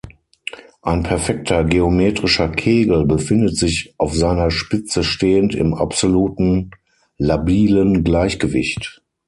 Ein perfekter geometrischer Kegel befindet sich, auf seiner Spitze stehend, im absoluten labilen Gleichgewicht.